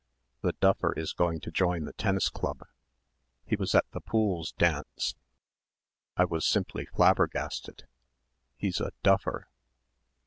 The duffer is going to join the tennis club he was at the Pooles' dance. I was simply flabbergasted. He's a duffer."